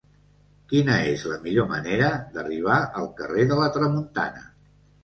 Quina és la millor manera d'arribar al carrer de la Tramuntana?